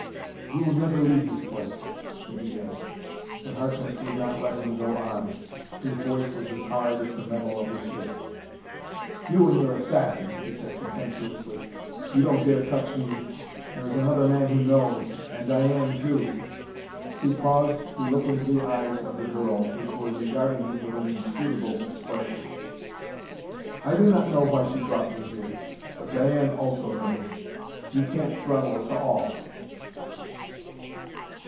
"You will never leave this place " he began. But Harkness would not let him go on: his voice was as hard as the metal of his ship. "You and your assassins!" he said contemptuously. "You don't dare touch me. There is another man who knows and Diane, too." He paused to look into the eyes of the girl, which were regarding him with an inscrutable expression. "I do not know why she brought me here, but Diane also knows. You can't throttle us all."